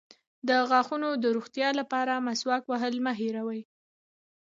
د غاښونو د روغتیا لپاره مسواک وهل مه هیروئ